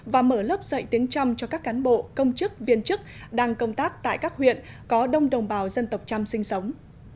và mở lớp dạy tiếng trăm cho các cán bộ công chức viên chức đang công tác tại các huyện có đông đồng bào dân tộc trăm sinh sống